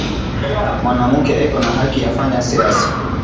Mwanamuke eko na haki ya fanya siasa